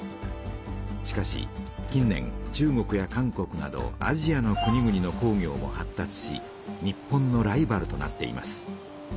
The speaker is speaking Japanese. しかし近年中国や韓国などアジアの国々の工業も発達し日本のライバルとなっています。